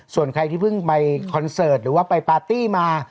ส่วนใครที่เพิ่งไปคอนเสิร์ตหรือว่าไปปาร์ตี้มา